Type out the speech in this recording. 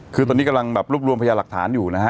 คือตอนนี้กำลังแบบรวบรวมพยาหลักฐานอยู่นะฮะ